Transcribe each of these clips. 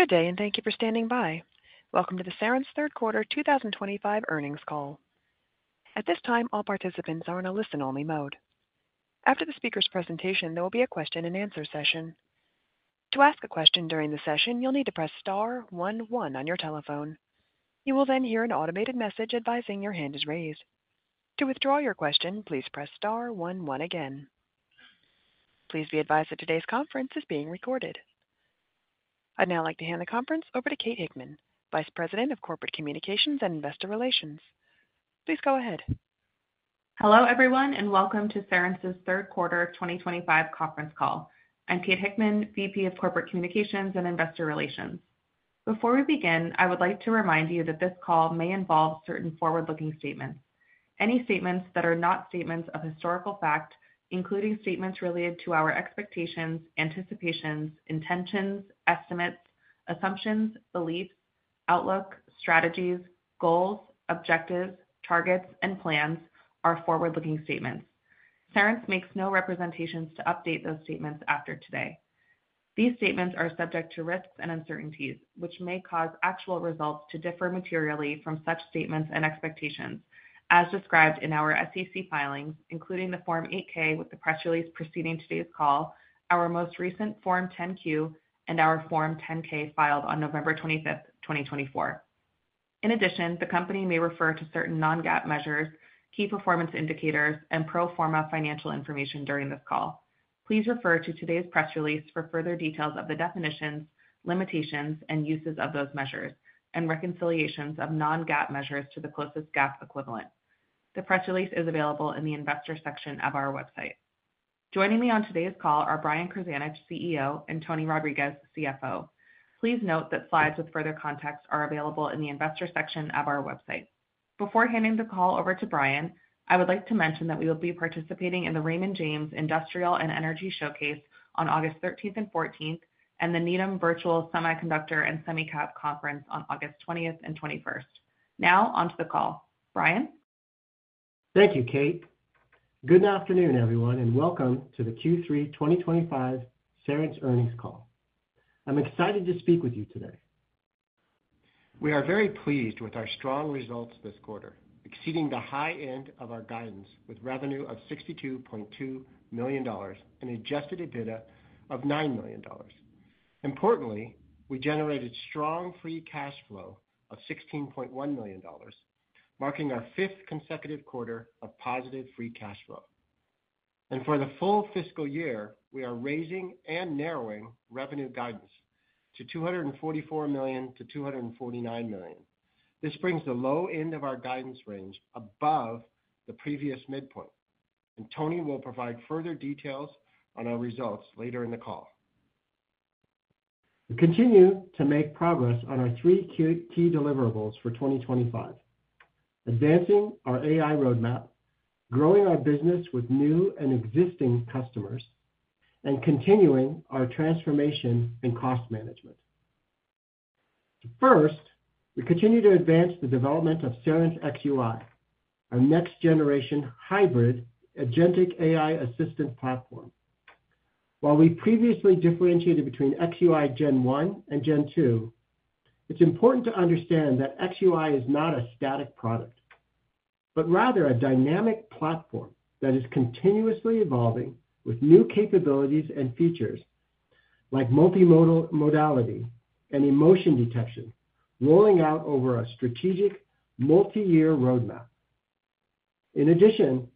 Good day and thank you for standing by. Welcome to the Cerence third quarter 2025 earnings call. At this time, all participants are in a listen-only mode. After the speaker's presentation, there will be a question and answer session. To ask a question during the session, you'll need to press star one one on your telephone. You will then hear an automated message advising your hand is raised. To withdraw your question, please press star one one again. Please be advised that today's conference is being recorded. I'd now like to hand the conference over to Kate Hickman, Vice President of Corporate Communications and Investor Relations. Please go ahead. Hello everyone and welcome to Cerence's third quarter 2025 conference call. I'm Kate Hickman, VP of Corporate Communications and Investor Relations. Before we begin, I would like to remind you that this call may involve certain forward-looking statements. Any statements that are not statements of historical fact, including statements related to our expectations, anticipations, intentions, estimates, assumptions, beliefs, outlook, strategies, goals, objectives, targets, and plans, are forward-looking statements. Cerence makes no representations to update those statements after today. These statements are subject to risks and uncertainties, which may cause actual results to differ materially from such statements and expectations, as described in our SEC filings, including the Form 8-K with the press release preceding today's call, our most recent Form 10-Q, and our Form 10-K filed on November 25th, 2024. In addition, the company may refer to certain non-GAAP measures, key performance indicators, and pro forma financial information during this call. Please refer to today's press release for further details of the definitions, limitations, and uses of those measures, and reconciliations of non-GAAP measures to the closest GAAP equivalent. The press release is available in the investor section of our website. Joining me on today's call are Brian Krzanich, CEO, and Tony Rodriquez, CFO. Please note that slides with further context are available in the investor section of our website. Before handing the call over to Brian, I would like to mention that we will be participating in the Raymond James Industrial and Energy Showcase on August 13th and August 14th, and the Needham Virtual Semiconductor & SemiCap Conference on August 20th and August 21th. Now on to the call. Brian. Thank you, Kate. Good afternoon, everyone, and welcome to the Q3 2025 Cerence earnings call. I'm excited to speak with you today. We are very pleased with our strong results this quarter, exceeding the high end of our guidance with revenue of $62.2 million and adjusted EBITDA of $9 million. Importantly, we generated strong free cash flow of $16.1 million, marking our fifth consecutive quarter of positive free cash flow. For the full fiscal year, we are raising and narrowing revenue guidance to $244 million-$249 million. This brings the low end of our guidance range above the previous midpoint. Tony will provide further details on our results later in the call. We continue to make progress on our three key deliverables for 2025: advancing our AI roadmap, growing our business with new and existing customers, and continuing our transformation and cost management. First, we continue to advance the development of Cerence xUI, our next-generation hybrid agentic AI assistant platform. While we previously differentiated between xUI Gen 1 and Gen 2, it's important to understand that xUI is not a static product, but rather a dynamic platform that is continuously evolving with new capabilities and features like multimodality and emotion detection, rolling out over a strategic multi-year roadmap. In addition,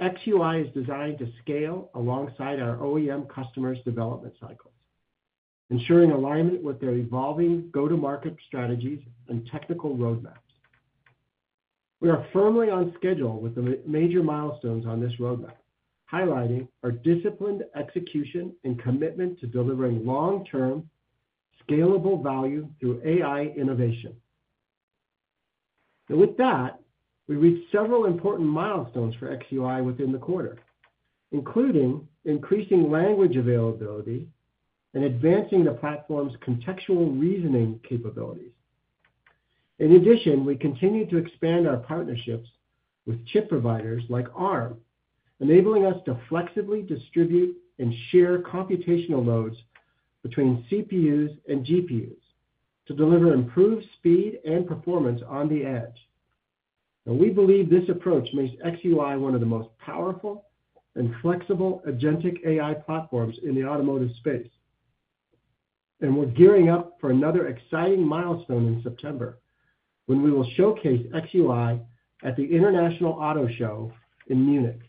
xUI is designed to scale alongside our OEM customers' development cycle, ensuring alignment with their evolving go-to-market strategies and technical roadmaps. We are firmly on schedule with the major milestones on this roadmap, highlighting our disciplined execution and commitment to delivering long-term scalable value through AI innovation. We reached several important milestones for xUI within the quarter, including increasing language availability and advancing the platform's contextual reasoning capabilities. In addition, we continue to expand our partnerships with chip providers like Arm, enabling us to flexibly distribute and share computational nodes between CPUs and GPUs to deliver improved speed and performance on the edge. We believe this approach makes xUI one of the most powerful and flexible agentic AI platforms in the automotive space. We're gearing up for another exciting milestone in September when we will showcase xUI at the International Auto Show in Munich.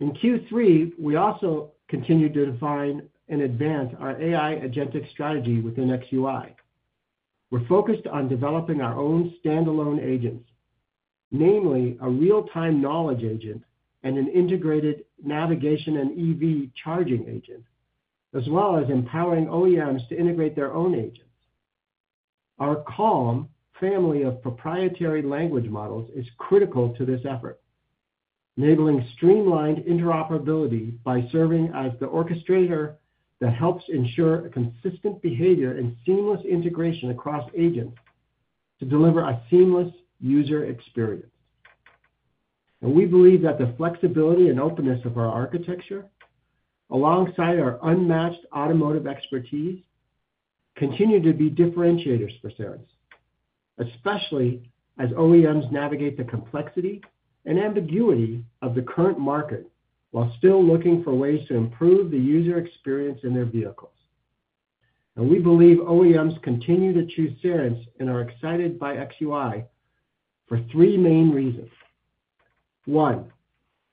In Q3, we also continue to define and advance our AI agentic strategy within xUI. We're focused on developing our own standalone agents, namely a real-time knowledge agent and an integrated navigation and EV charging agent, as well as empowering OEMs to integrate their own agents. Our CaLLM family of proprietary language models is critical to this effort, enabling streamlined interoperability by serving as the orchestrator that helps ensure a consistent behavior and seamless integration across agents to deliver a seamless user experience. We believe that the flexibility and openness of our architecture, alongside our unmatched automotive expertise, continue to be differentiators for Cerence, especially as OEMs navigate the complexity and ambiguity of the current market while still looking for ways to improve the user experience in their vehicles. We believe OEMs continue to choose Cerence and are excited by xUI for three main reasons. One,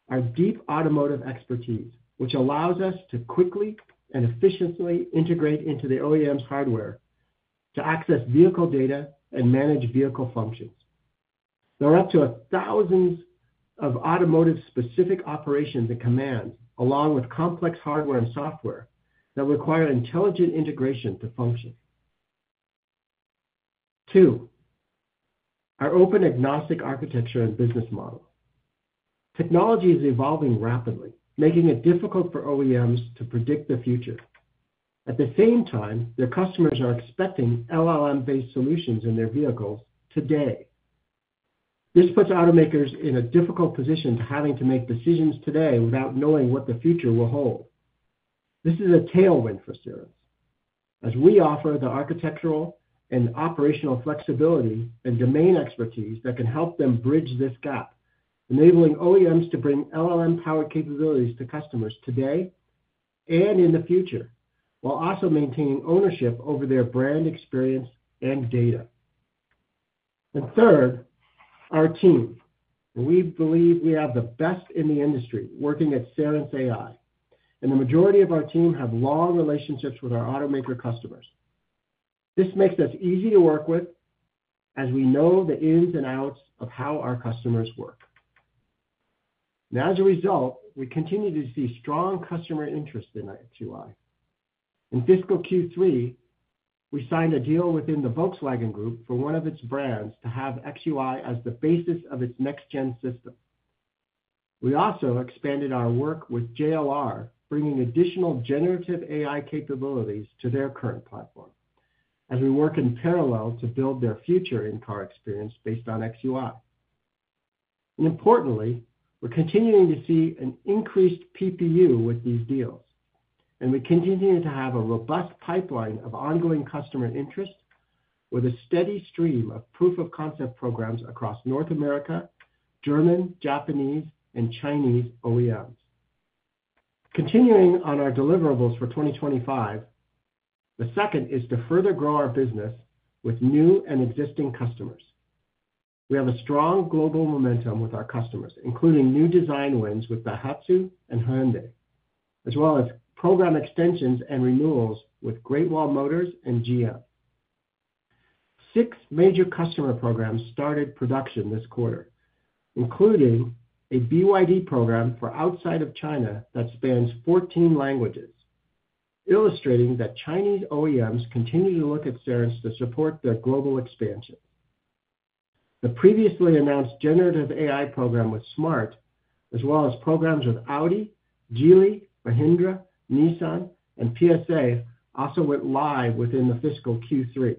our deep automotive expertise, which allows us to quickly and efficiently integrate into the OEM's hardware to access vehicle data and manage vehicle functions. There are up to a thousand automotive-specific operations and commands, along with complex hardware and software that require intelligent integration to function. Two, our open, agnostic architecture and business model. Technology is evolving rapidly, making it difficult for OEMs to predict the future. At the same time, their customers are expecting LLM-based solutions in their vehicles today. This puts automakers in a difficult position to having to make decisions today without knowing what the future will hold. This is a tailwind for Cerence, as we offer the architectural and operational flexibility and domain expertise that can help them bridge this gap, enabling OEMs to bring LLM-powered capabilities to customers today and in the future, while also maintaining ownership over their brand experience and data. Third, our team. We believe we have the best in the industry working at Cerence AI, and the majority of our team have long relationships with our automaker customers. This makes us easy to work with, as we know the ins and outs of how our customers work. As a result, we continue to see strong customer interest in xUI. In fiscal Q3, we signed a deal within the Volkswagen Group for one of its brands to have xUI as the basis of its next-gen system. We also expanded our work with JLR, bringing additional generative AI capabilities to their current platform, as we work in parallel to build their future in-car experience based on Cerence xUI. Importantly, we're continuing to see an increased PPU with these deals, and we continue to have a robust pipeline of ongoing customer interest with a steady stream of proof-of-concept programs across North American, German, Japanese, and Chinese OEMs. Continuing on our deliverables for 2025, the second is to further grow our business with new and existing customers. We have strong global momentum with our customers, including new design wins with Daihatsu and Hyundai, as well as program extensions and renewals with Great Wall Motor and GM. Six major customer programs started production this quarter, including a BYD program for outside of China that spans 14 languages, illustrating that Chinese OEMs continue to look at Cerence to support their global expansion. The previously announced generative AI program with smart, as well as programs with Audi, Geely, Mahindra, Nissan, and PSA also went live within the fiscal Q3.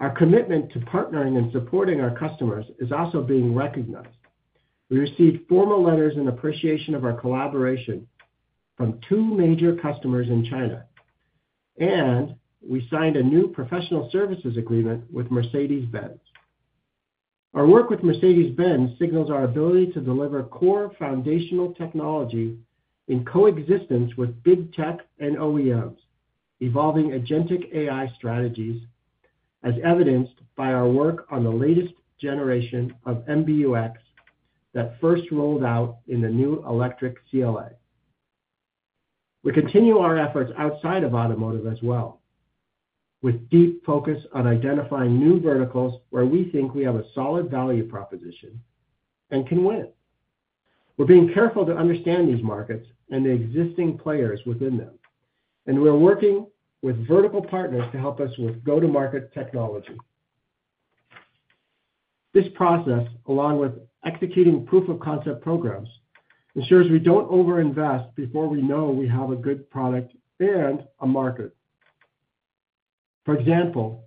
Our commitment to partnering and supporting our customers is also being recognized. We received formal letters in appreciation of our collaboration from two major customers in China, and we signed a new professional services agreement with Mercedes-Benz. Our work with Mercedes-Benz signals our ability to deliver core foundational technology in coexistence with big tech and OEMs, evolving agentic AI strategies, as evidenced by our work on the latest generation of MBUX that first rolled out in the new electric CLA. We continue our efforts outside of automotive as well, with deep focus on identifying new verticals where we think we have a solid value proposition and can win. We're being careful to understand these markets and the existing players within them, and we're working with vertical partners to help us with go-to-market technology. This process, along with executing proof-of-concept programs, ensures we don't overinvest before we know we have a good product and a market. For example,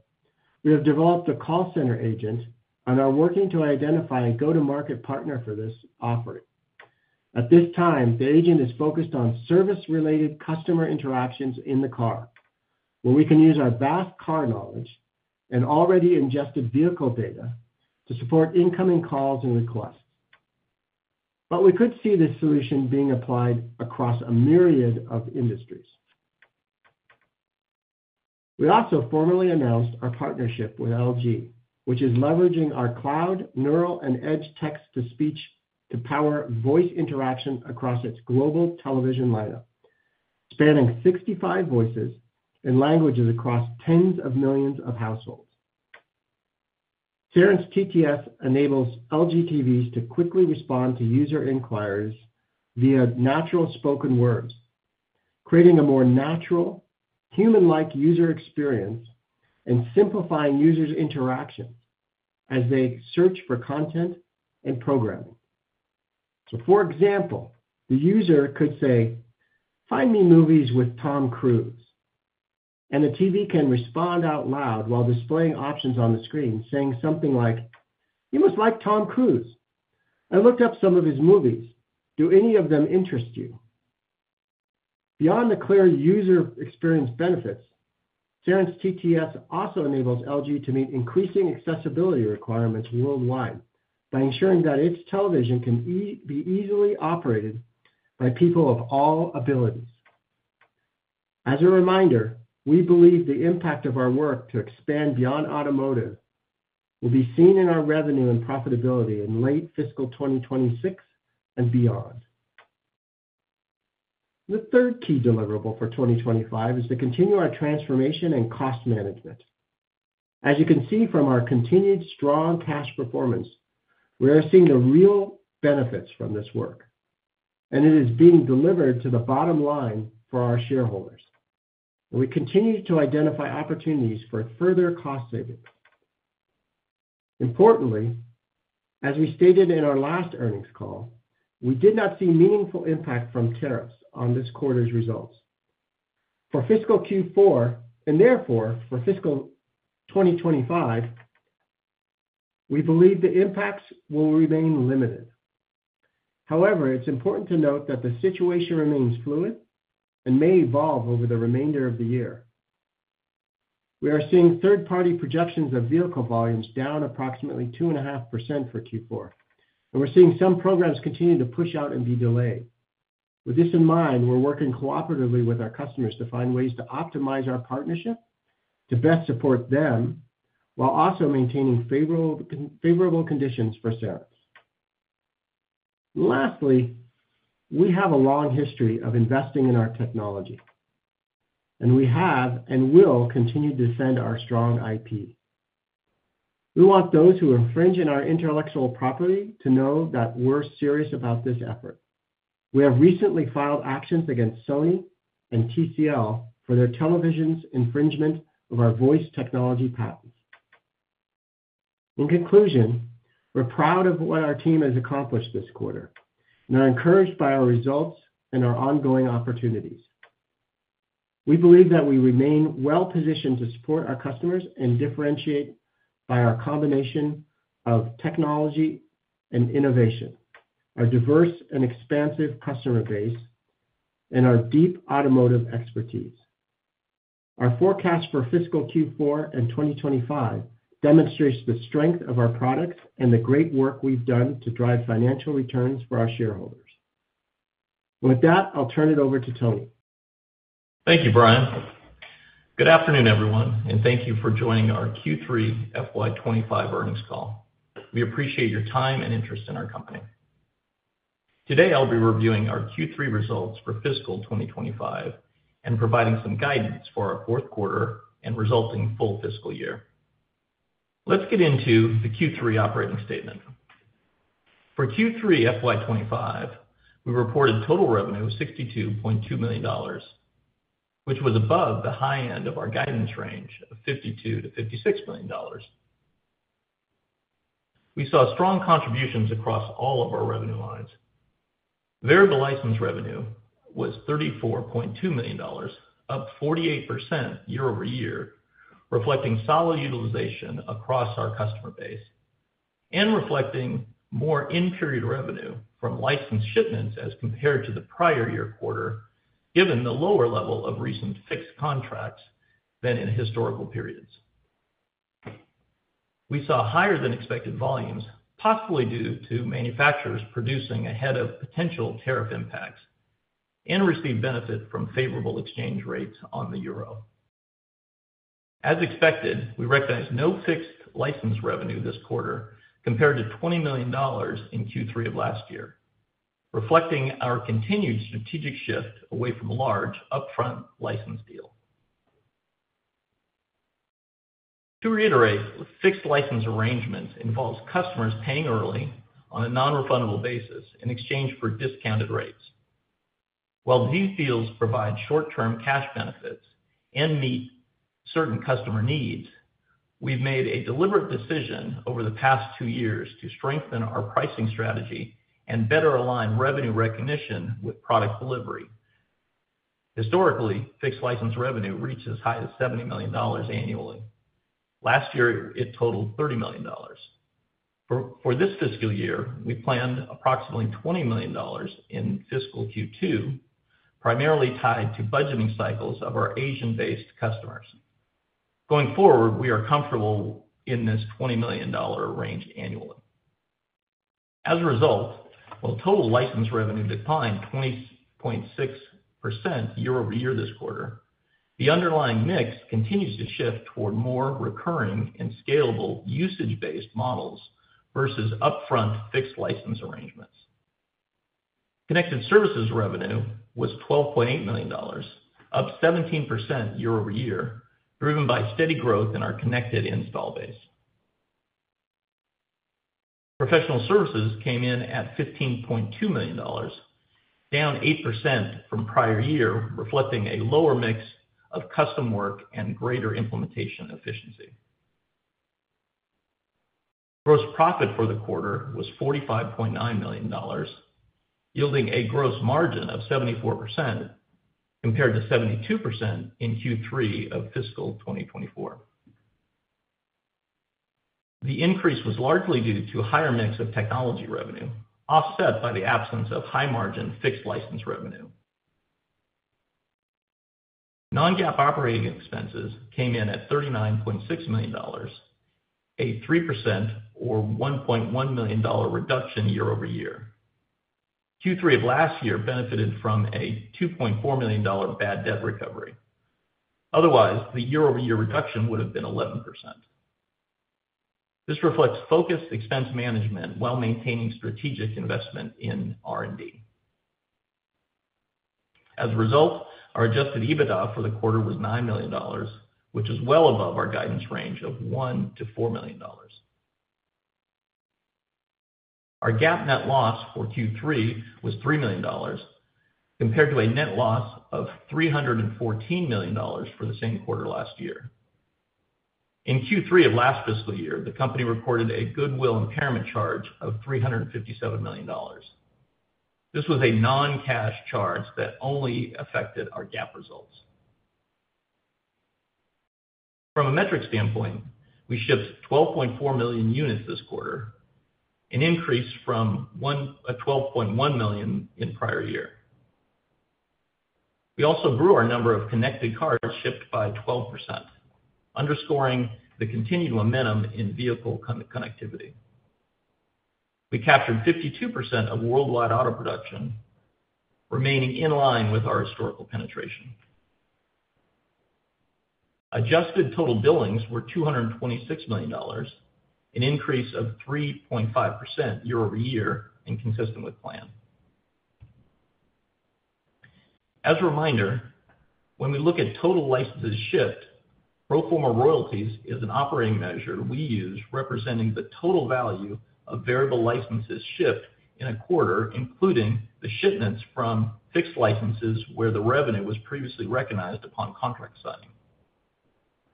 we have developed a call center agent and are working to identify a go-to-market partner for this offering. At this time, the agent is focused on service-related customer interactions in the car, where we can use our vast car knowledge and already ingested vehicle data to support incoming calls and requests. We could see this solution being applied across a myriad of industries. We also formally announced our partnership with LG, which is leveraging our cloud neural and edge text-to-speech to power voice interaction across its global television lineup, spanning 65 voices and languages across tens of millions of households. Cerence TTS enables LG TVs to quickly respond to user inquiries via natural spoken words, creating a more natural, human-like user experience and simplifying users' interaction as they search for content and programming. For example, the user could say, "Find me movies with Tom Cruise," and the TV can respond out loud while displaying options on the screen, saying something like, "You must like Tom Cruise. I looked up some of his movies. Do any of them interest you?" Beyond the clear user experience benefits, Cerence TTS also enables LG to meet increasing accessibility requirements worldwide by ensuring that its television can be easily operated by people of all ability. As a reminder, we believe the impact of our work to expand beyond automotive will be seen in our revenue and profitability in late fiscal 2026 and beyond. The third key deliverable for 2025 is to continue our transformation and cost management. As you can see from our continued strong cash performance, we are seeing the real benefits from this work, and it is being delivered to the bottom line for our shareholders. We continue to identify opportunities for further cost savings. Importantly, as we stated in our last earnings call, we did not see meaningful impact from tariffs on this quarter's results. For fiscal Q4 and therefore for fiscal 2025, we believe the impacts will remain limited. However, it's important to note that the situation remains fluid and may evolve over the remainder of the year. We are seeing third-party projections of vehicle volumes down approximately 2.5% for Q4, and we're seeing some programs continue to push out and be delayed. With this in mind, we're working cooperatively with our customers to find ways to optimize our partnership to best support them while also maintaining favorable conditions for Cerence. Lastly, we have a long history of investing in our technology, and we have and will continue to defend our strong IP. We want those who infringe on our intellectual property to know that we're serious about this effort. We have recently filed actions against Sony and TCL for their televisions' infringement of our voice technology patent. In conclusion, we're proud of what our team has accomplished this quarter, and I'm encouraged by our results and our ongoing opportunities. We believe that we remain well-positioned to support our customers and differentiate by our combination of technology and innovation, our diverse and expansive customer base, and our deep automotive expertise. Our forecast for fiscal Q4 and 2025 demonstrates the strength of our products and the great work we've done to drive financial returns for our shareholders. With that, I'll turn it over to Tony. Thank you, Brian. Good afternoon, everyone, and thank you for joining our Q3 FY 2025 earnings call. We appreciate your time and interest in our company. Today, I'll be reviewing our Q3 results for fiscal 2025 and providing some guidance for our fourth quarter and resulting full fiscal year. Let's get into the Q3 operating statement. For Q3 FY 2025, we reported total revenue of $62.2 million, which was above the high end of our guidance range of $52 million-$56 million. We saw strong contributions across all of our revenue lines. Variable license revenue was $34.2 million, up 48% year-over-year, reflecting solid utilization across our customer base and reflecting more in-period revenue from licensed shipments as compared to the prior year quarter, given the lower level of recent fixed contracts than in historical periods. We saw higher than expected volumes, possibly due to manufacturers producing ahead of potential tariff impacts, and received benefits from favorable exchange rates on the euro. As expected, we recognize no fixed license revenue this quarter compared to $20 million in Q3 of last year, reflecting our continued strategic shift away from a large upfront license deal. To reiterate, fixed license arrangement involves customers paying early on a non-refundable basis in exchange for discounted rates. While these deals provide short-term cash benefits and meet certain customer needs, we've made a deliberate decision over the past two years to strengthen our pricing strategy and better align revenue recognition with product delivery. Historically, fixed license revenue reached as high as $70 million annually. Last year, it totaled $30 million. For this fiscal year, we planned approximately $20 million in fiscal Q2, primarily tied to budgeting cycles of our Asian-based customers. Going forward, we are comfortable in this $20 million range annually. As a result, while total license revenue declined 20.6% year-over-year this quarter, the underlying mix continues to shift toward more recurring and scalable usage-based models versus upfront fixed license arrangements. Connected services revenue was $12.8 million, up 17% year-over-year, driven by steady growth in our connected install base. Professional services came in at $15.2 million, down 8% from prior year, reflecting a lower mix of custom work and greater implementation efficiency. Gross profit for the quarter was $45.9 million, yielding a gross margin of 74% compared to 72% in Q3 of fiscal 2024. The increase was largely due to a higher mix of technology revenue, offset by the absence of high margin fixed license revenue. Non-GAAP operating expenses came in at $39.6 million, a 3% or $1.1 million reduction year-over-year. Q3 of last year benefited from a $2.4 million bad debt recovery. Otherwise, the year-over-year reduction would have been 11%. This reflects focused expense management while maintaining strategic investment in R&D. As a result, our adjusted EBITDA for the quarter was $9 million, which is well above our guidance range of $1 million-$4 million. Our GAAP net loss for Q3 was $3 million, compared to a net loss of $314 million for the same quarter last year. In Q3 of last fiscal year, the company reported a goodwill impairment charge of $357 million. This was a non-cash charge that only affected our GAAP results. From a metric standpoint, we shipped 12.4 million units this quarter, an increase from 12.1 million in the prior year. We also grew our number of connected cars shipped by 12%, underscoring the continued momentum in vehicle connectivity. We captured 52% of worldwide auto production, remaining in line with our historical penetration. Adjusted total billings were $226 million, an increase of 3.5% year-over-year and consistent with plan. As a reminder, when we look at total licenses shipped, pro forma royalties is an operating measure we use representing the total value of variable licenses shipped in a quarter, including the shipments from fixed licenses where the revenue was previously recognized upon contract signing.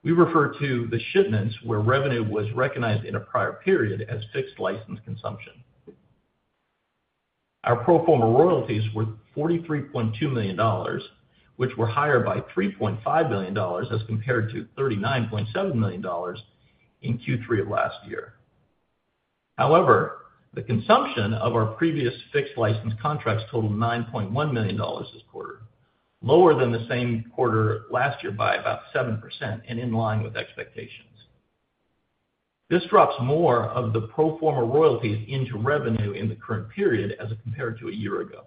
We refer to the shipments where revenue was recognized in a prior period as fixed license consumption. Our pro forma royalties were $43.2 million, which were higher by $3.5 million as compared to $39.7 million in Q3 of last year. However, the consumption of our previous fixed license contracts totaled $9.1 million this quarter, lower than the same quarter last year by about 7% and in line with expectations. This drops more of the pro forma royalties into revenue in the current period as compared to a year ago.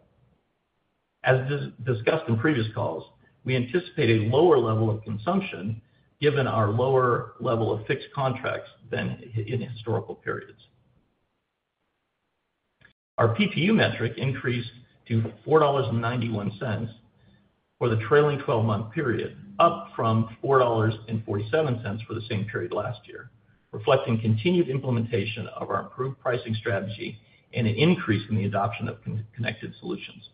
As discussed in previous calls, we anticipate a lower level of consumption given our lower level of fixed contracts than in historical periods. Our PPU metric increased to $4.91 for the trailing 12-month period, up from $4.47 for the same period last year, reflecting continued implementation of our improved pricing strategy and an increase in the adoption of connected solutions.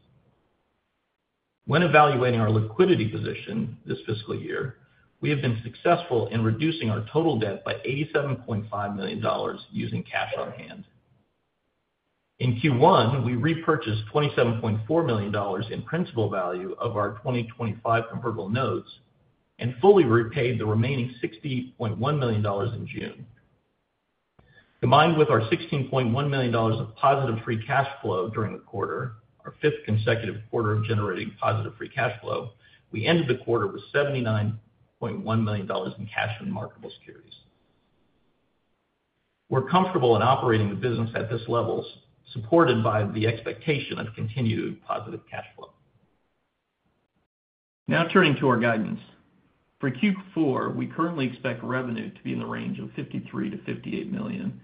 When evaluating our liquidity position this fiscal year, we have been successful in reducing our total debt by $87.5 million using cash on hand. In Q1, we repurchased $27.4 million in principal value of our 2025 convertible notes and fully repaid the remaining $60.1 million in June. Combined with our $16.1 million of positive free cash flow during the quarter, our fifth consecutive quarter of generating positive free cash flow, we ended the quarter with $79.1 million in cash and marketable securities. We're comfortable in operating the business at this level, supported by the expectation of continued positive cash flow. Now turning to our guidance. For Q4, we currently expect revenue to be in the range of $53 million-$58 million.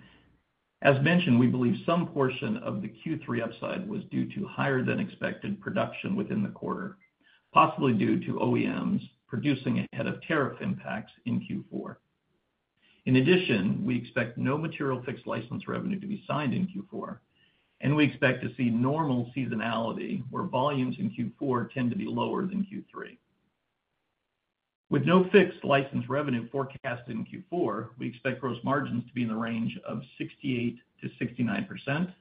As mentioned, we believe some portion of the Q3 upside was due to higher than expected production within the quarter, possibly due to OEMs producing ahead of tariff impacts in Q4. In addition, we expect no material fixed license revenue to be signed in Q4, and we expect to see normal seasonality where volumes in Q4 tend to be lower than Q3. With no fixed license revenue forecast in Q4, we expect gross margins to be in the range of 68%-69%,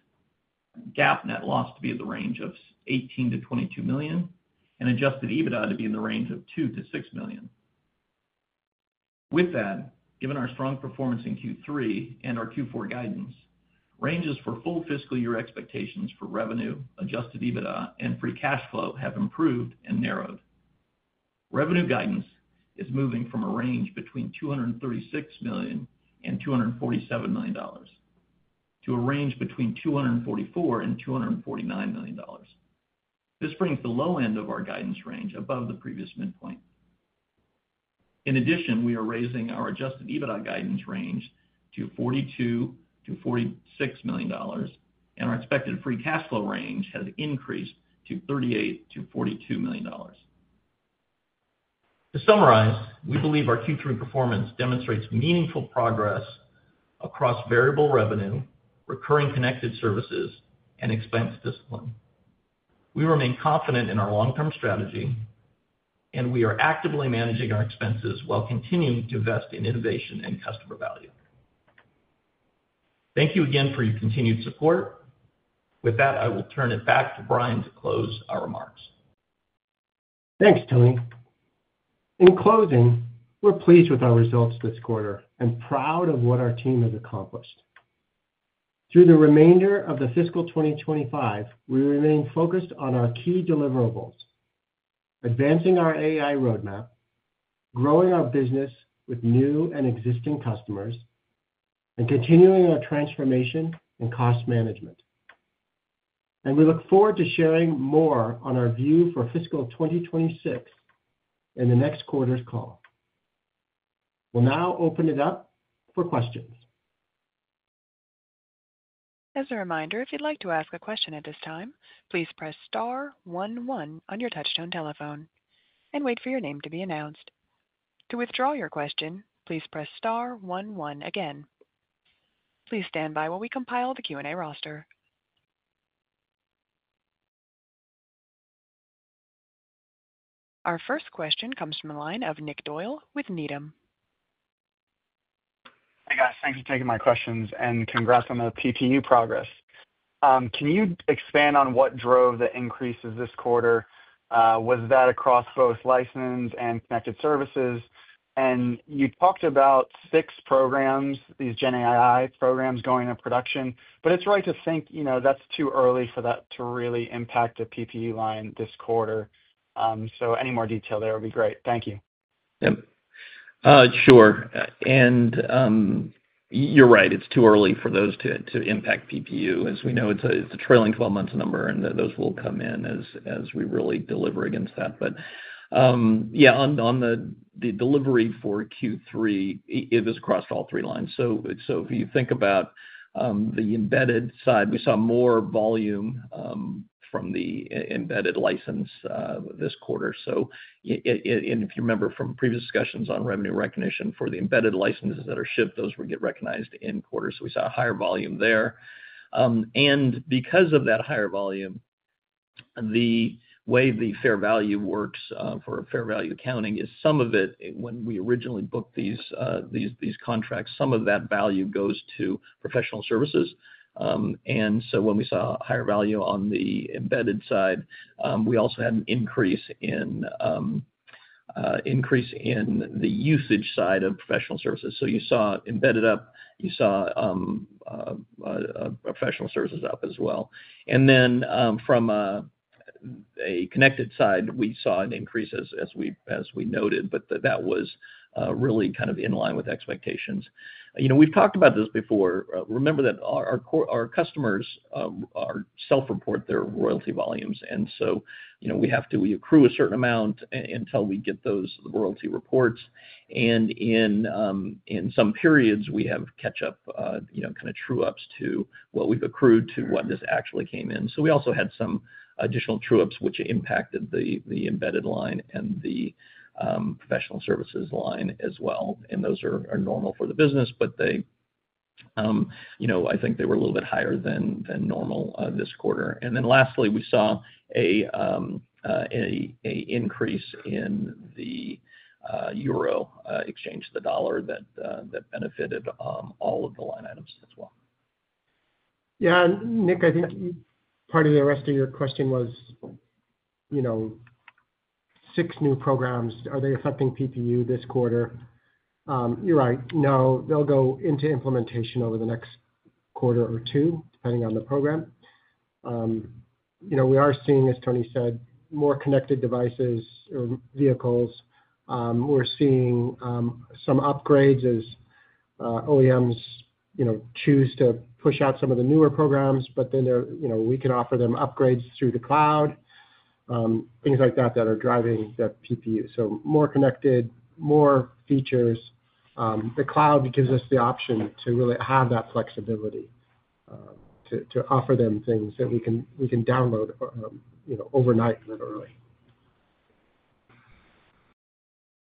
GAAP net loss to be in the range of $18 million-$22 million, and adjusted EBITDA to be in the range of $2 million-$6 million. With that, given our strong performance in Q3 and our Q4 guidance, ranges for full fiscal year expectations for revenue, adjusted EBITDA, and free cash flow have improved and narrowed. Revenue guidance is moving from a range between $236 million and $247 million to a range between $244 million and $249 million. This brings the low end of our guidance range above the previous midpoint. In addition, we are raising our adjusted EBITDA guidance range to $42 million-$46 million, and our expected free cash flow range has increased to $38 million-$42 million. To summarize, we believe our Q3 performance demonstrates meaningful progress across variable revenue, recurring connected services, and expense discipline. We remain confident in our long-term strategy, and we are actively managing our expenses while continuing to invest in innovation and customer value. Thank you again for your continued support. With that, I will turn it back to Brian to close our remarks. Thanks, Tony. In closing, we're pleased with our results this quarter and proud of what our team has accomplished. Through the remainder of fiscal 2025, we remain focused on our key deliverables: advancing our AI roadmap, growing our business with new and existing customers, and continuing our transformation and cost management. We look forward to sharing more on our view for fiscal 2026 in the next quarter's call. We'll now open it up for questions. As a reminder, if you'd like to ask a question at this time, please press star one one on your touch-tone telephone and wait for your name to be announced. To withdraw your question, please press star one one again. Please stand by while we compile the Q&A roster. Our first question comes from the line of Nick Doyle with Needham. Hey, guys. Thanks for taking my questions and congrats on the PPU progress. Can you expand on what drove the increases this quarter? Was that across both license and connected services? You talked about six programs, these GenAI programs going into production, but it's right to think, you know, that's too early for that to really impact the PPU line this quarter. Any more detail there would be great. Thank you. Yep. Sure. You're right, it's too early for those to impact PPU. As we know, it's a trailing 12-month number, and those will come in as we really deliver against that. On the delivery for Q3, it has crossed all three lines. If you think about the embedded side, we saw more volume from the embedded license this quarter. If you remember from previous discussions on revenue recognition for the embedded licenses that are shipped, those would get recognized in quarters. We saw a higher volume there. Because of that higher volume, the way the fair value works for fair value accounting is some of it, when we originally booked these contracts, some of that value goes to professional services. When we saw a higher value on the embedded side, we also had an increase in the usage side of professional services. You saw embedded up, you saw professional services up as well. From a connected side, we saw an increase as we noted, but that was really kind of in line with expectations. We've talked about this before. Remember that our customers self-report their royalty volumes, and we have to accrue a certain amount until we get those royalty reports. In some periods, we have catch-up, kind of true-ups to what we've accrued to what this actually came in. We also had some additional true-ups, which impacted the embedded line and the professional services line as well. Those are normal for the business, but I think they were a little bit higher than normal this quarter. Lastly, we saw an increase in the euro exchange, the dollar that benefited all of the line items as well. Yeah, Nick, I think part of the rest of your question was, you know, six new programs, are they affecting PPU this quarter? You're right. No, they'll go into implementation over the next quarter or two, depending on the program. We are seeing, as Tony said, more connected devices or vehicles. We're seeing some upgrades as OEMs choose to push out some of the newer programs, but then we can offer them upgrades through the cloud, things like that that are driving that PPU. More connected, more features. The cloud gives us the option to really have that flexibility to offer them things that we can download, you know, overnight, literally.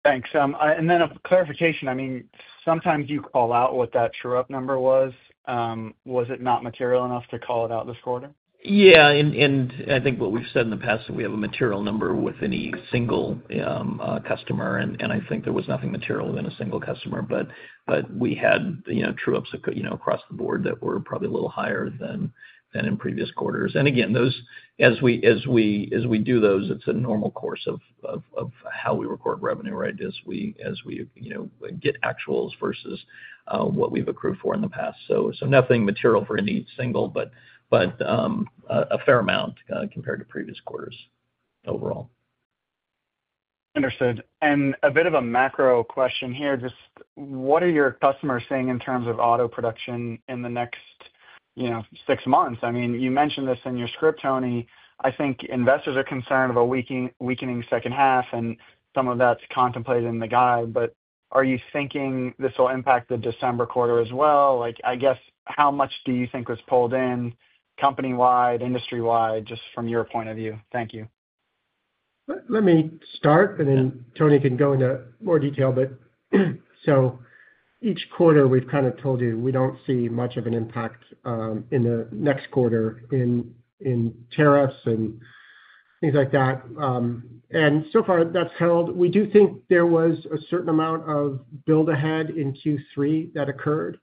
Thanks. A clarification, sometimes you call out what that true-up number was. Was it not material enough to call it out this quarter? I think what we've said in the past is that we have a material number with any single customer, and I think there was nothing material in a single customer, but we had true-ups across the board that were probably a little higher than in previous quarters. As we do those, it's a normal course of how we record revenue, right? As we get actuals versus what we've accrued for in the past. Nothing material for any single, but a fair amount compared to previous quarters overall. Understood. A bit of a macro question here, just what are your customers saying in terms of auto production in the next, you know, six months? You mentioned this in your script, Tony. I think investors are concerned about a weakening second half, and some of that's contemplated in the guide. Are you thinking this will impact the December quarter as well? How much do you think was pulled in company-wide, industry-wide, just from your point of view? Thank you. Let me start, and then Tony can go into more detail. Each quarter we've kind of told you we don't see much of an impact in the next quarter in tariffs and things like that, and so far that's held. We do think there was a certain amount of build ahead in Q3 that occurred.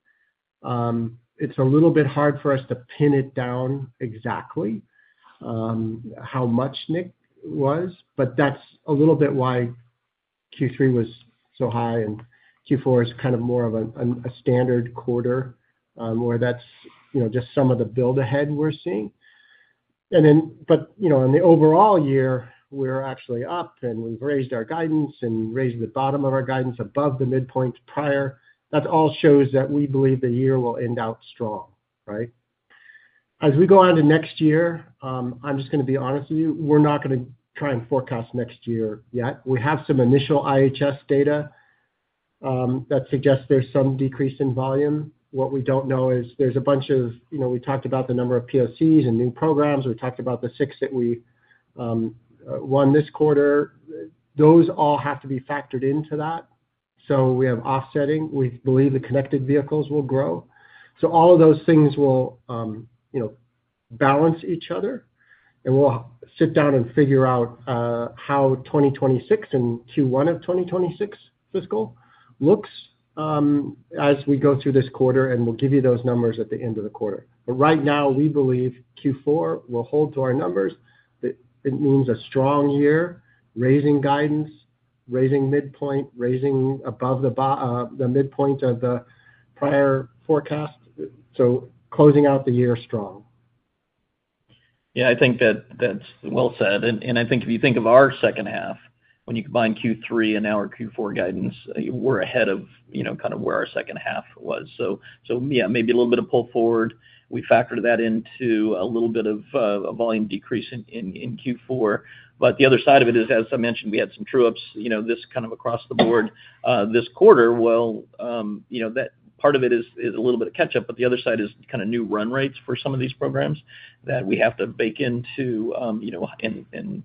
It's a little bit hard for us to pin it down exactly how much, Nick was, but that's a little bit why Q3 was so high and Q4 is kind of more of a standard quarter where that's just some of the build ahead we're seeing. On the overall year, we're actually up and we've raised our guidance and raised the bottom of our guidance above the midpoint prior. That all shows that we believe the year will end out strong, right? As we go on to next year, I'm just going to be honest with you, we're not going to try and forecast next year yet. We have some initial IHS data that suggests there's some decrease in volume. What we don't know is there's a bunch of, you know, we talked about the number of POCs and new programs. We talked about the six that we won this quarter. Those all have to be factored into that. We have offsetting. We believe the connected vehicles will grow. All of those things will, you know, balance each other. We'll sit down and figure out how 2026 and Q1 of 2026 fiscal looks as we go through this quarter, and we'll give you those numbers at the end of the quarter. Right now, we believe Q4 will hold to our numbers. It means a strong year, raising guidance, raising midpoint, raising above the midpoint of the prior forecast, closing out the year strong. Yeah, I think that that's well said. I think if you think of our second half, when you combine Q3 and now our Q4 guidance, we're ahead of, you know, kind of where our second half was. Maybe a little bit of pull forward. We factored that into a little bit of a volume decrease in Q4. The other side of it is, as I mentioned, we had some true-ups, you know, this kind of across the board this quarter. That part of it is a little bit of catch-up, but the other side is kind of new run rates for some of these programs that we have to bake into, you know, and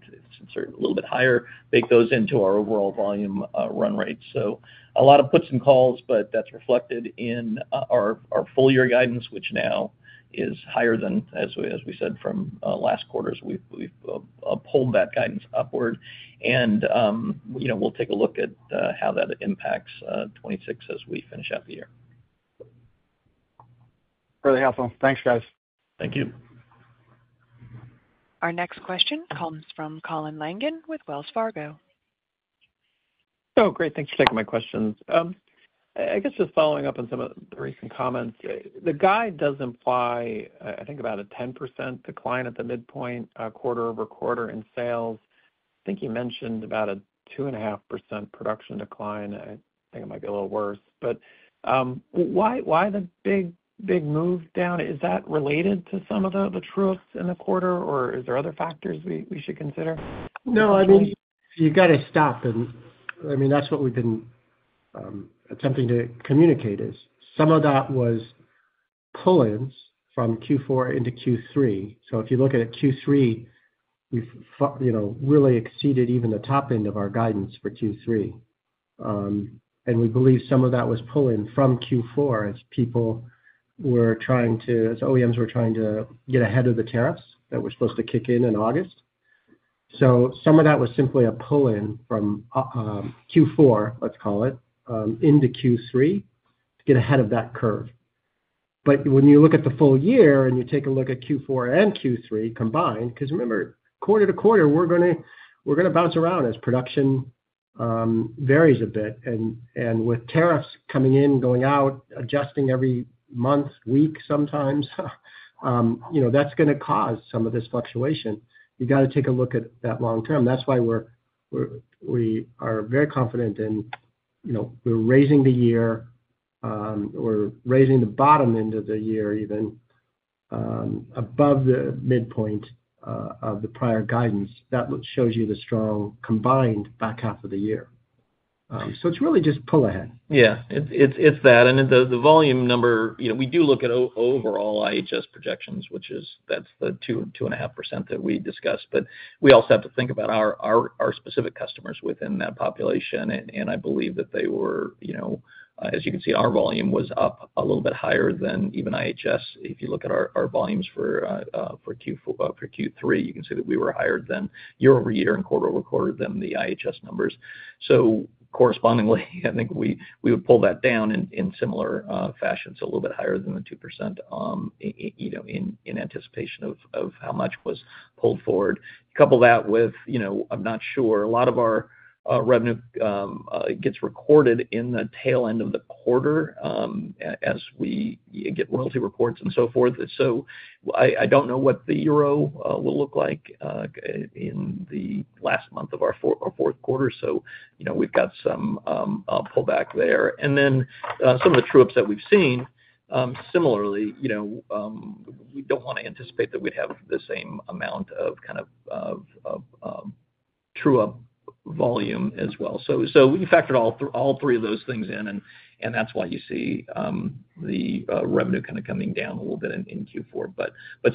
sort of a little bit higher, bake those into our overall volume run rates. A lot of puts and calls, but that's reflected in our full year guidance, which now is higher than, as we said, from last quarter, we've pulled that guidance upward. We'll take a look at how that impacts 2026 as we finish out the year. Really helpful. Thanks, guys. Thank you. Our next question comes from Colin Langan with Wells Fargo. Oh, great. Thanks for taking my questions. I guess just following up on some of the recent comments, the guide does imply, I think, about a 10% decline at the midpoint quarter-over-quarter in sales. I think you mentioned about a 2.5% production decline. I think it might be a little worse. Why the big, big move down? Is that related to some of the true-ups in the quarter, or are there other factors we should consider? You've got to stop. That's what we've been attempting to communicate is some of that was pull-ins from Q4 into Q3. If you look at it, Q3 really exceeded even the top end of our guidance for Q3. We believe some of that was pulling from Q4 as OEMs were trying to get ahead of the tariffs that were supposed to kick in in August. Some of that was simply a pull-in from Q4 into Q3 to get ahead of that curve. When you look at the full year and you take a look at Q4 and Q3 combined, remember, quarter-to-quarter, we're going to bounce around as production varies a bit. With tariffs coming in, going out, adjusting every month, week sometimes, that's going to cause some of this fluctuation. You have to take a look at that long term. That's why we are very confident in raising the year, we're raising the bottom end of the year even above the midpoint of the prior guidance. That shows you the strong combined back half of the year. It's really just pull ahead. Yeah, it's that. And the volume number, you know, we do look at overall IHS projections, which is that's the 2.5% that we discussed. We also have to think about our specific customers within that population. I believe that they were, you know, as you can see, our volume was up a little bit higher than even IHS. If you look at our volumes for Q3, you can see that we were higher than year-over-year and quarter-over-quarter than the IHS numbers. Correspondingly, I think we would pull that down in similar fashion. It's a little bit higher than the 2%, you know, in anticipation of how much was pulled forward. Couple that with, you know, I'm not sure a lot of our revenue gets recorded in the tail end of the quarter as we get royalty reports and so forth. I don't know what the euro will look like in the last month of our fourth quarter. We've got some pullback there. Then some of the true-ups that we've seen, similarly, you know, we don't want to anticipate that we'd have the same amount of kind of true-up volume as well. You factored all three of those things in, and that's why you see the revenue kind of coming down a little bit in Q4.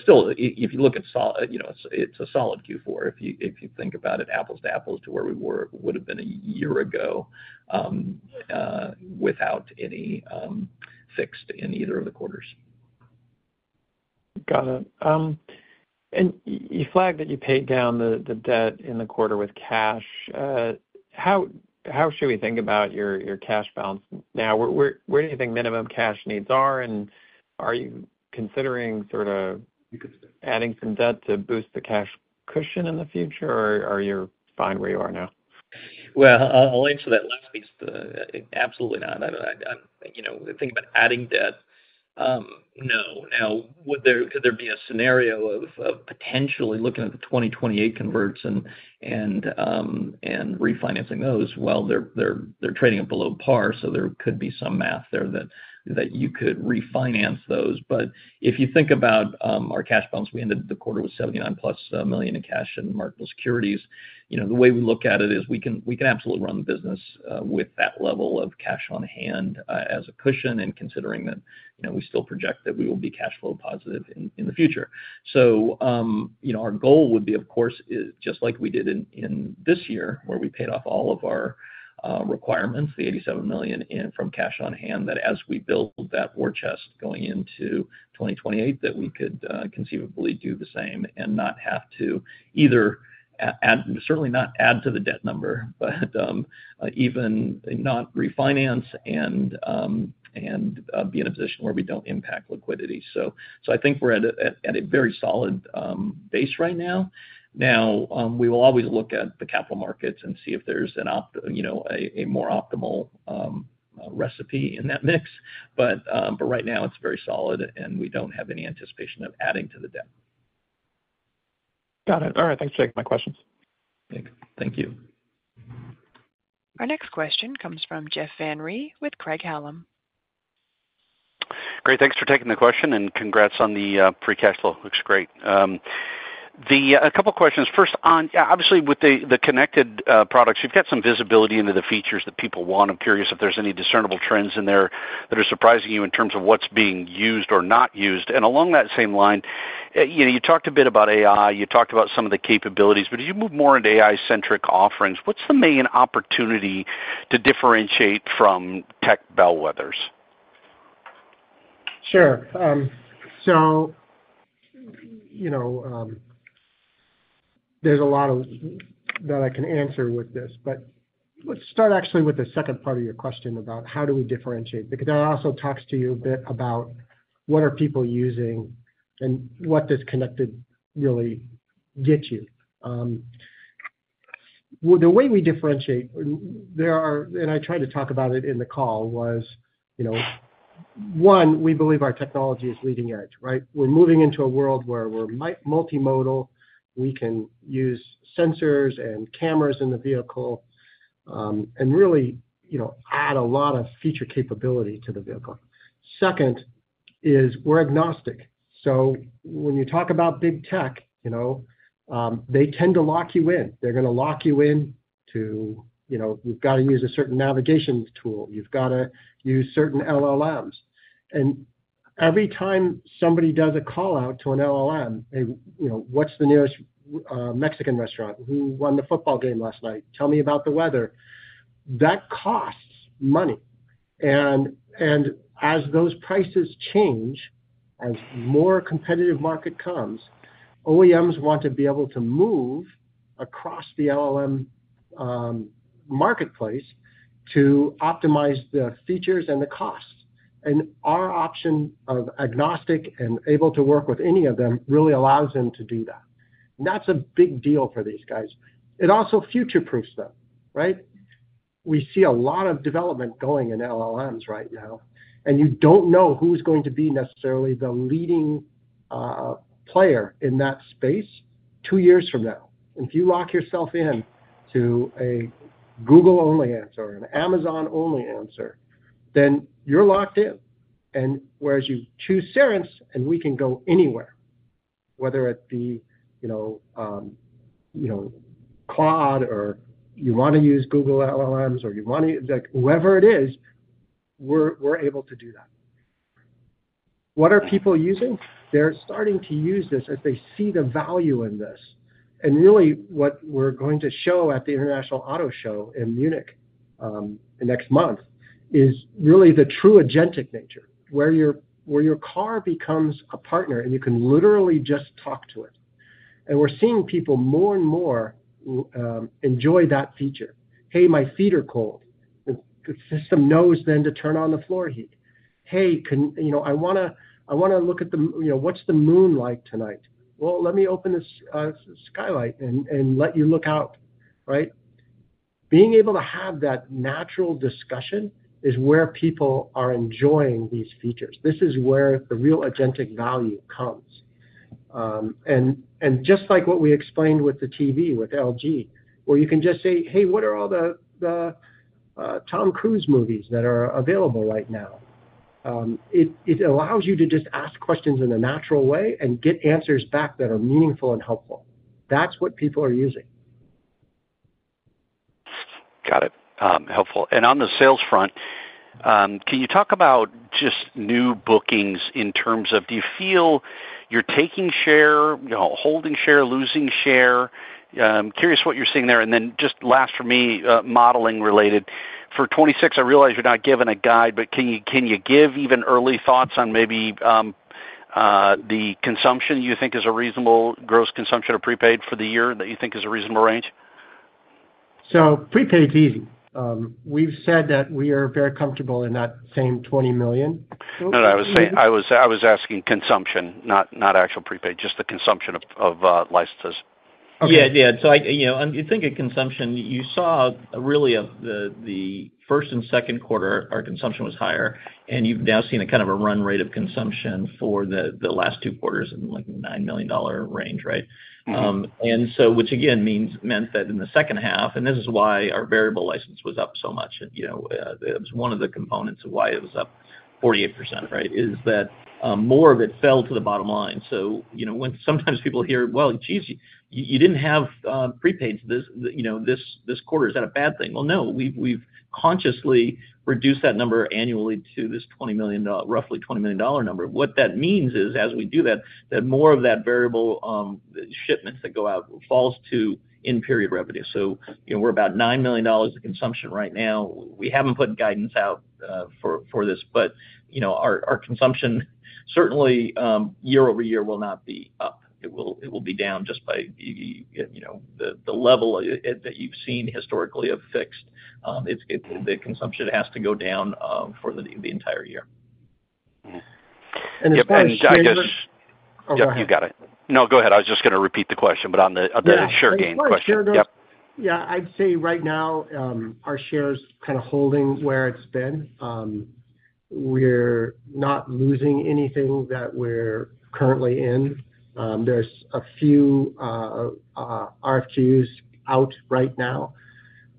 Still, if you look at, you know, it's a solid Q4. If you think about it, apples to apples to where we were would have been a year ago without any fixed in either of the quarters. Got it. You flagged that you paid down the debt in the quarter with cash. How should we think about your cash balance now? Where do you think minimum cash needs are? Are you considering sort of adding some debt to boost the cash cushion in the future, or are you fine where you are now? I'll answer that last piece. Absolutely not. You know, thinking about adding debt, no. Now, could there be a scenario of potentially looking at the 2028 converts and refinancing those? They're trading at below par, so there could be some math there that you could refinance those. If you think about our cash balance, we ended the quarter with $79 million+ in cash and marketable securities. The way we look at it is we can absolutely run the business with that level of cash on hand as a cushion and considering that we still project that we will be cash flow positive in the future. Our goal would be, of course, just like we did in this year, where we paid off all of our requirements, the $87 million from cash on hand, that as we build that war chest going into 2028, we could conceivably do the same and not have to either add, certainly not add to the debt number, but even not refinance and be in a position where we don't impact liquidity. I think we're at a very solid base right now. We will always look at the capital markets and see if there's a more optimal recipe in that mix. Right now, it's very solid and we don't have any anticipation of adding to the debt. Got it. All right. Thanks for taking my questions. Thank you. Our next question comes from Jeff Van Rhee with Craig-Hallum. Great. Thanks for taking the question and congrats on the free cash flow. Looks great. A couple of questions. First, obviously with the connected products, you've got some visibility into the features that people want. I'm curious if there's any discernible trends in there that are surprising you in terms of what's being used or not used. Along that same line, you talked a bit about AI, you talked about some of the capabilities, but as you move more into AI-centric offerings, what's the main opportunity to differentiate from tech bellwethers? Sure. There's a lot that I can answer with this, but let's start actually with the second part of your question about how do we differentiate, because that also talks to you a bit about what are people using and what does connected really get you. The way we differentiate, there are, and I tried to talk about it in the call, was, one, we believe our technology is leading edge, right? We're moving into a world where we're multimodal. We can use sensors and cameras in the vehicle and really add a lot of feature capability to the vehicle. Second is we're agnostic. When you talk about big tech, they tend to lock you in. They're going to lock you in to, you've got to use a certain navigation tool. You've got to use certain LLMs. Every time somebody does a call out to an LLM, you know, what's the nearest Mexican restaurant? Who won the football game last night? Tell me about the weather. That costs money. As those prices change, as more competitive market comes, OEMs want to be able to move across the LLM marketplace to optimize the features and the costs. Our option of agnostic and able to work with any of them really allows them to do that. That's a big deal for these guys. It also future-proofs them, right? We see a lot of development going in LLMs right now. You don't know who's going to be necessarily the leading player in that space two years from now. If you lock yourself in to a Google-only answer or an Amazon-only answer, then you're locked in. Whereas you choose Cerence and we can go anywhere, whether it be Cloud or you want to use Google LLMs or you want to, whoever it is, we're able to do that. What are people using? They're starting to use this as they see the value in this. What we're going to show at the International Auto Show in Munich next month is really the true agentic nature, where your car becomes a partner and you can literally just talk to it. We're seeing people more and more enjoy that feature. Hey, my feet are cold. The system knows then to turn on the floor heat. Hey, I want to look at the, what's the moon like tonight? Let me open the skylight and let you look out, right? Being able to have that natural discussion is where people are enjoying these features. This is where the real agentic value comes. Just like what we explained with the TV, with LG, where you can just say, hey, what are all the Tom Cruise movies that are available right now? It allows you to just ask questions in a natural way and get answers back that are meaningful and helpful. That's what people are using. Got it. Helpful. On the sales front, can you talk about just new bookings in terms of, do you feel you're taking share, you know, holding share, losing share? I'm curious what you're seeing there. Just last for me, modeling related. For 2026, I realize you're not giving a guide, but can you give even early thoughts on maybe the consumption you think is a reasonable gross consumption or prepaid for the year that you think is a reasonable range? Prepaid is easy. We've said that we are very comfortable in that same $20 million. I was asking consumption, not actual prepaid, just the consumption of licenses. Yeah, yeah. I think a consumption, you saw really the first and second quarter, our consumption was higher, and you've now seen a kind of a run rate of consumption for the last two quarters in like a $9 million range, right? Which again meant that in the second half, and this is why our variable license was up so much, and it was one of the components of why it was up 48%, is that more of it fell to the bottom line. Sometimes people hear, geez, you didn't have prepaid this, this quarter, is that a bad thing? No, we've consciously reduced that number annually to this roughly $20 million number. What that means is, as we do that, more of that variable shipments that go out falls to in-period revenue. We're about $9 million in consumption right now. We haven't put guidance out for this, but our consumption certainly year-over-year will not be up. It will be down just by the level that you've seen historically of fixed. The consumption has to go down for the entire year. You've got it. Go ahead. I was just going to repeat the question on the share game question. Yeah, I'd say right now our share is kind of holding where it's been. We're not losing anything that we're currently in. There are a few RFQs out right now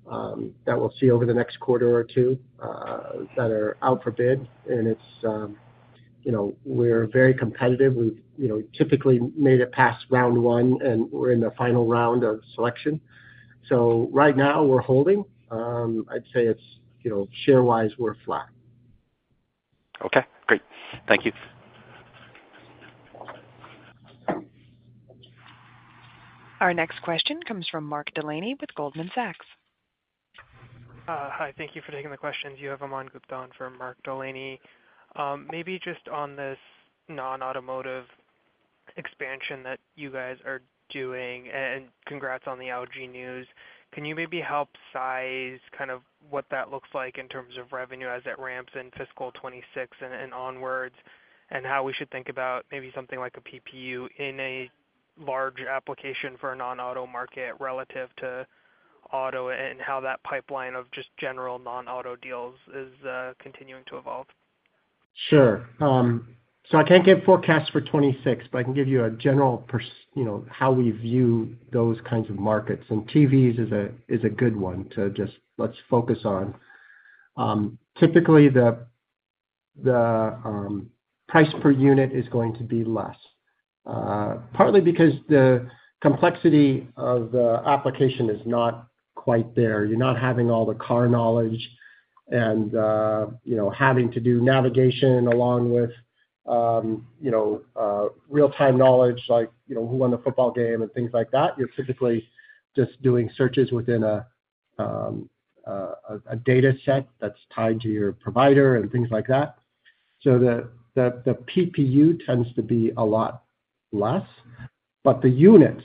that we'll see over the next quarter or two that are out for bid. It's, you know, we're very competitive. We've typically made it past round one and we're in the final round of selection. Right now we're holding. I'd say share-wise we're flat. Okay, great. Thank you. Our next question comes from Mark Delaney with Goldman Sachs. Hi, thank you for taking the questions. You have Aman Gupta on for Mark Delaney. Maybe just on this non-automotive expansion that you guys are doing, and congrats on the LG news. Can you maybe help size kind of what that looks like in terms of revenue as it ramps in fiscal 2026 and onwards and how we should think about maybe something like a PPU in a large application for a non-auto market relative to auto and how that pipeline of just general non-auto deals is continuing to evolve? Sure. I can't give forecasts for 2026, but I can give you a general per, you know, how we view those kinds of markets. TVs is a good one to just let's focus on. Typically, the price per unit is going to be less, partly because the complexity of the application is not quite there. You're not having all the car knowledge and, you know, having to do navigation along with, you know, real-time knowledge like, you know, who won the football game and things like that. You're typically just doing searches within a data set that's tied to your provider and things like that. The PPU tends to be a lot less, but the units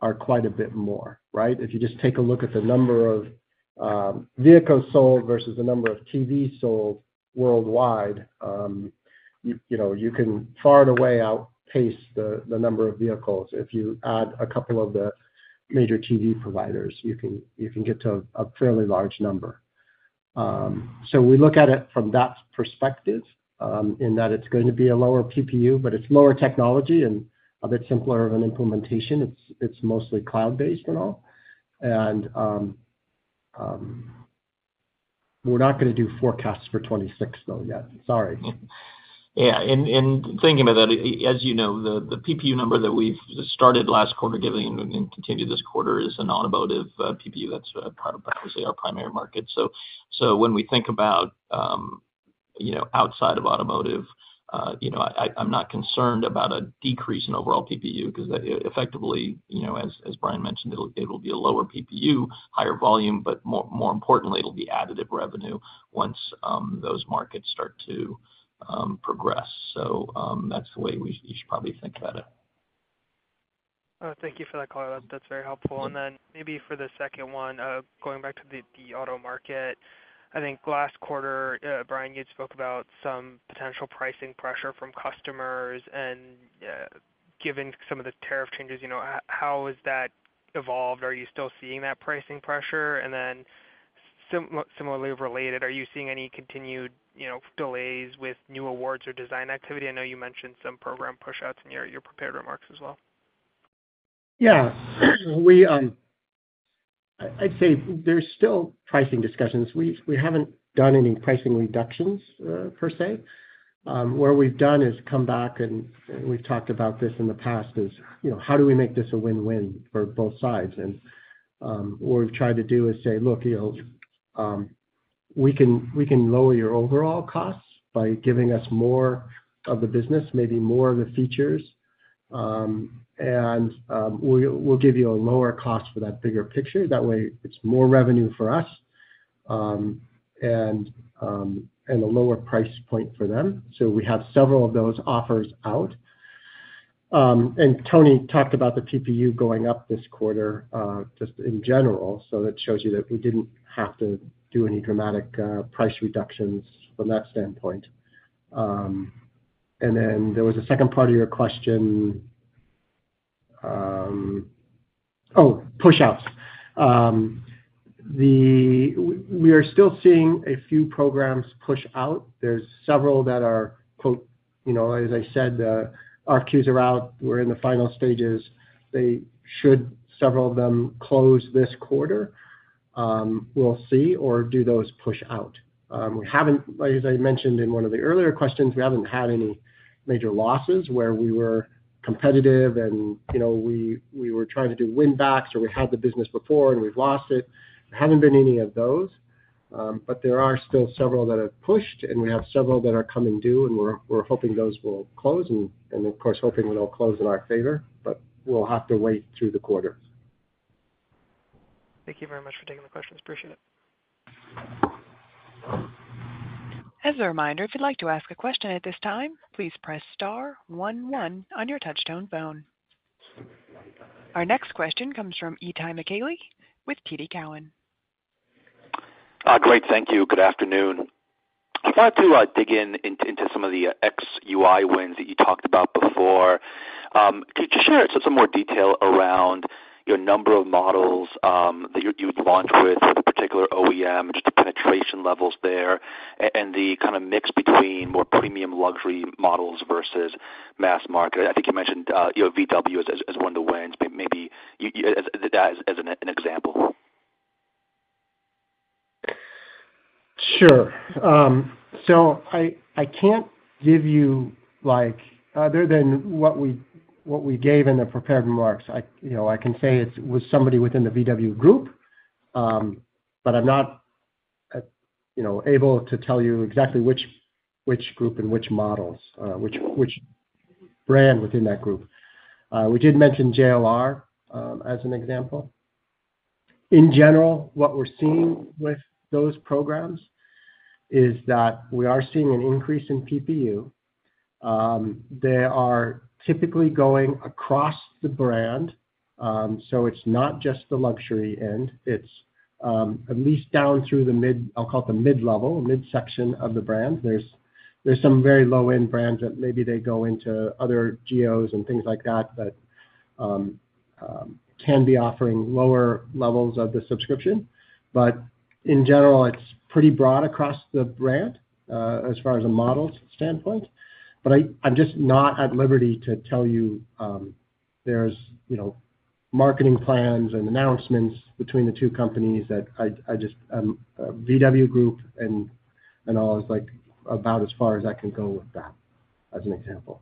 are quite a bit more, right? If you just take a look at the number of vehicles sold versus the number of TVs sold worldwide, you can far and away outpace the number of vehicles. If you add a couple of the major TV providers, you can get to a fairly large number. We look at it from that perspective in that it's going to be a lower PPU, but it's lower technology and a bit simpler of an implementation. It's mostly cloud-based and all. We're not going to do forecasts for 2026 though yet. Sorry. Yeah, and thinking about that, as you know, the PPU number that we've started last quarter giving and continued this quarter is an automotive PPU that's obviously our primary market. When we think about, you know, outside of automotive, you know, I'm not concerned about a decrease in overall PPU because effectively, you know, as Brian mentioned, it'll be a lower PPU, higher volume, but more importantly, it'll be additive revenue once those markets start to progress. That's the way you should probably think about it. Thank you for that color. That's very helpful. Maybe for the second one, going back to the auto market, I think last quarter, Brian, you spoke about some potential pricing pressure from customers and given some of the tariff changes, you know, how has that evolved? Are you still seeing that pricing pressure? Similarly related, are you seeing any continued, you know, delays with new awards or design activity? I know you mentioned some program push-outs in your prepared remarks as well. Yeah, I'd say there's still pricing discussions. We haven't done any pricing reductions per se. Where we've done is come back and we've talked about this in the past, is, you know, how do we make this a win-win for both sides? What we've tried to do is say, look, you know, we can lower your overall costs by giving us more of the business, maybe more of the features, and we'll give you a lower cost for that bigger picture. That way, it's more revenue for us and a lower price point for them. We have several of those offers out. Tony talked about the PPU going up this quarter just in general. That shows you that we didn't have to do any dramatic price reductions from that standpoint. There was a second part of your question. Oh, push-outs. We are still seeing a few programs push out. There are several that are, quote, you know, as I said, the RFQs are out. We're in the final stages. They should, several of them, close this quarter. We'll see, or do those push out? We haven't, like as I mentioned in one of the earlier questions, we haven't had any major losses where we were competitive and, you know, we were trying to do win-backs or we had the business before and we've lost it. There haven't been any of those, but there are still several that have pushed and we have several that are coming due, and we're hoping those will close and, of course, hoping it'll close in our favor, but we'll have to wait through the quarter. Thank you very much for taking the questions. Appreciate it. As a reminder, if you'd like to ask a question at this time, please press star one one on your touch-tone phone. Our next question comes from Itay Michaeli with TD Cowen. Great, thank you. Good afternoon. I'd like to dig in into some of the xUI wins that you talked about before. Could you share some more detail around your number of models that you'd launch with a particular OEM, just the penetration levels there, and the kind of mix between more premium luxury models versus mass market? I think you mentioned, you know, VW as one of the wins, maybe that as an example. Sure. I can't give you, other than what we gave in the prepared remarks, I can say it was somebody within the VW Group, but I'm not able to tell you exactly which group and which models, which brand within that group. We did mention JLR as an example. In general, what we're seeing with those programs is that we are seeing an increase in PPU. They are typically going across the brand. It's not just the luxury end. It's at least down through the mid, I'll call it the mid-level or mid-section of the brand. There are some very low-end brands that maybe go into other deals and things like that that can be offering lower levels of the subscription. In general, it's pretty broad across the brand as far as a model standpoint. I'm just not at liberty to tell you. There are marketing plans and announcements between the two companies. VW Group and all is about as far as I can go with that as an example.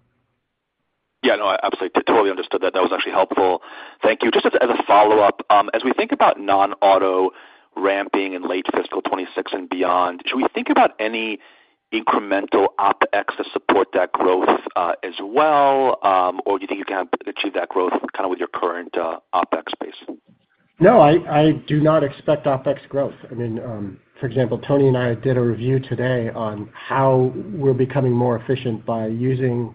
Yeah, no, I absolutely totally understood that. That was actually helpful. Thank you. Just as a follow-up, as we think about non-auto ramping in late fiscal 2026 and beyond, should we think about any incremental OpEx to support that growth as well, or do you think you can achieve that growth kind of with your current OpEx base? No, I do not expect OpEx growth. For example, Tony and I did a review today on how we're becoming more efficient by using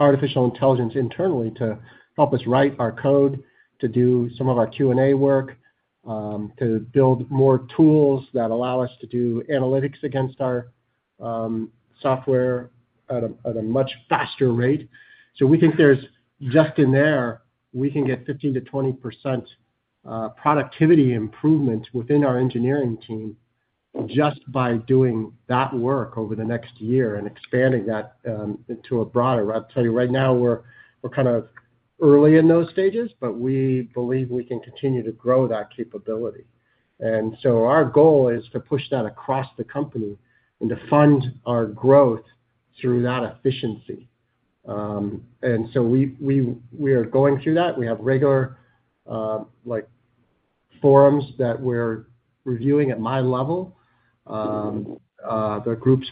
artificial intelligence internally to help us write our code, to do some of our Q&A work, to build more tools that allow us to do analytics against our software at a much faster rate. We think there's just in there, we can get 15%-20% productivity improvement within our engineering team just by doing that work over the next year and expanding that to a broader revenue. Right now, we're kind of early in those stages, but we believe we can continue to grow that capability. Our goal is to push that across the company and to fund our growth through that efficiency. We are going through that. We have regular forums that we're reviewing at my level, the group's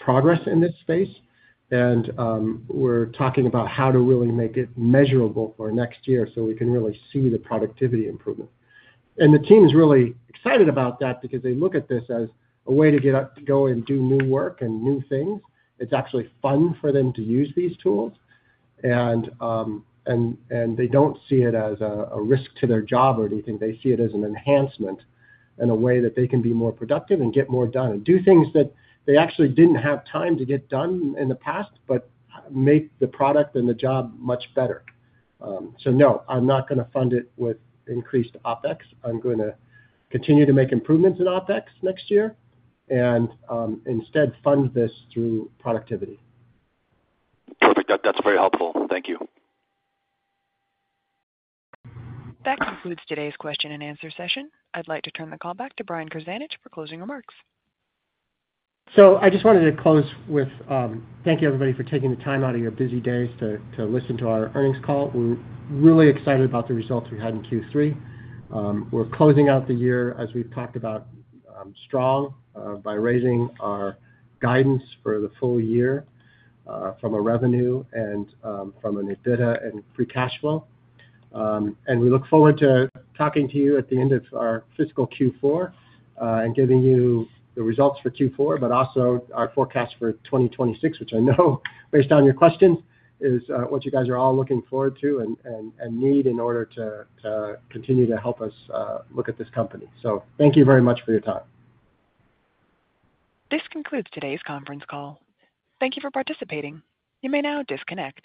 progress in this space, and we're talking about how to really make it measurable for next year so we can really see the productivity improvement. The team is really excited about that because they look at this as a way to get up to go and do new work and new things. It's actually fun for them to use these tools, and they don't see it as a risk to their job or anything. They see it as an enhancement and a way that they can be more productive and get more done and do things that they actually didn't have time to get done in the past, but make the product and the job much better. No, I'm not going to fund it with increased OpEx. I'm going to continue to make improvements in OpEx next year and instead fund this through productivity. Perfect. That's very helpful. Thank you. That concludes today's question and answer session. I'd like to turn the call back to Brian Krzanich for closing remarks. I just wanted to close with thank you everybody for taking the time out of your busy days to listen to our earnings call. We're really excited about the results we had in Q3. We're closing out the year, as we've talked about, strong by raising our guidance for the full year from a revenue and from an adjusted EBITDA and free cash flow. We look forward to talking to you at the end of our fiscal Q4 and giving you the results for Q4, but also our forecast for 2026, which I know based on your questions is what you guys are all looking forward to and need in order to continue to help us look at this company. Thank you very much for your time. This concludes today's conference call. Thank you for participating. You may now disconnect.